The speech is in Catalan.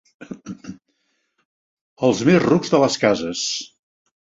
Els més rucs de les cases.